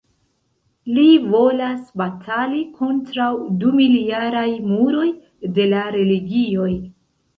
Li volas batali kontraŭ dumiljaraj muroj de la religioj.